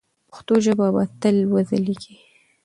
پښتو ژبه به تل وځلیږي.